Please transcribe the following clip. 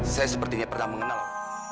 saya sepertinya pernah mengenal